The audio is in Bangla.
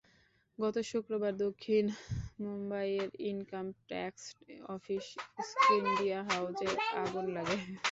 গত শুক্রবার দক্ষিণ মুম্বাইয়ের ইনকাম ট্যাক্স অফিস স্ক্রিনডিয়া হাউসে আগুন লাগে।